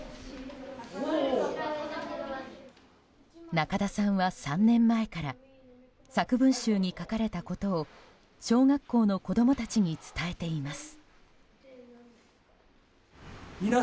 中田さんは３年前から作文集に書かれたことを小学校の子供たちに伝えています。